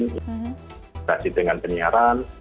terima kasih dengan penyiaran